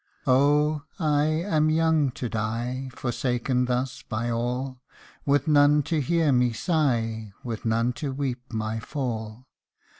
Oh! I am young to die, Forsaken thus by all : With none to hear me sigh, With none to weep my fall.